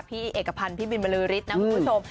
พี่เอกพันธ์พี่บินบรือฤทธิ์นะคุณผู้ชม